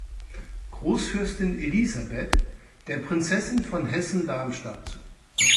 Großfürstin Elisabeth, der Prinzessin von Hessen-Darmstadt.